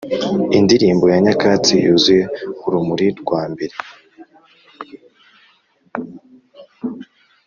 indirimbo ya nyakatsi yuzuye urumuri rwambere